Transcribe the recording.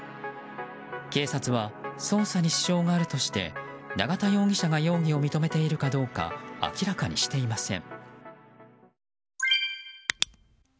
警察は、捜査に支障があるとして永田容疑者が容疑を認めているかどうか明らかにしていません。